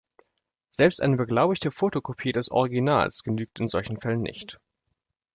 Selbst eine beglaubigte Fotokopie des Originals genügt in solchen Fällen nicht.